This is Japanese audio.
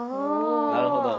なるほど。